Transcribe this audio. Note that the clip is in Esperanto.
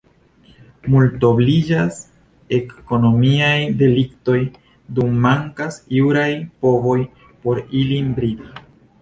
Multobliĝas ekonomiaj deliktoj, dum mankas juraj povoj por ilin bridi.